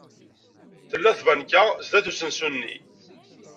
Tella tbanka sdat usensu-nni.